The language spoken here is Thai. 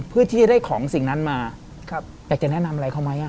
เพื่อที่จะได้ของสิ่งนั้นมาอยากจะแนะนำอะไรเขาไหม